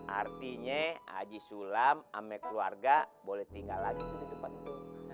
artinya haji sulam ama keluarga boleh tinggal lagi tuh di tempat itu